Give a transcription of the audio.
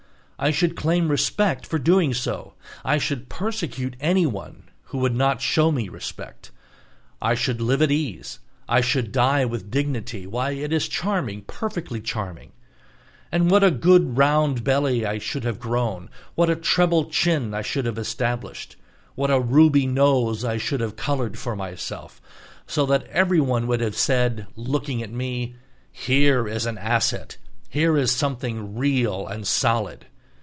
I should claim respect for doing so. I should persecute anyone who would not show me respect. I should live at ease, I should die with dignity, why, it is charming, perfectly charming! And what a good round belly I should have grown, what a treble chin I should have established, what a ruby nose I should have coloured for myself, so that everyone would have said, looking at me: "Here is an asset! Here is something real and solid!"